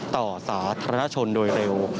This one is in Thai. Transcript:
สาธารณชนโดยเร็ว